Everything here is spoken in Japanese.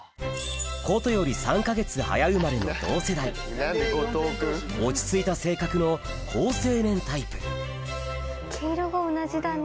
琴より３か月早生まれの同世代落ち着いた性格の好青年タイプ毛色が同じだね。